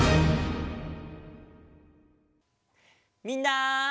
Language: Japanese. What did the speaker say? みんな！